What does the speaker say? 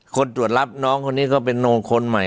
ตรวจรับน้องคนนี้ก็เป็นโนคนใหม่